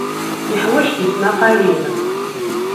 Yeḥwaj tismaqqalin.